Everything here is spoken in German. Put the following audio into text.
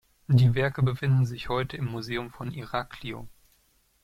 Die Werke befinden sich heute im Museum von Iraklio.